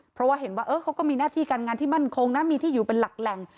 เพราะว่าเห็นว่าเขาก็มีหน้าที่การงานที่มั่นคงนะมีที่อยู่เป็นหลักแหล่ง